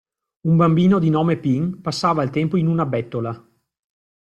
Un bambino di nome Pin passava il tempo in una bettola.